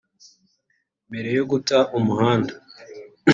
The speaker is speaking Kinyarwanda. Mbere yo guta umuhanda